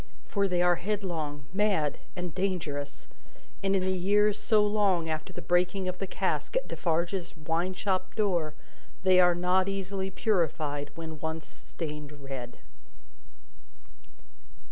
For, they are headlong, mad, and dangerous; and in the years so long after the breaking of the cask at Defarge's wine shop door, they are not easily purified when once stained red.